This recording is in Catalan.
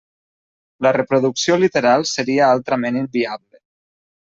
La reproducció literal seria altrament inviable.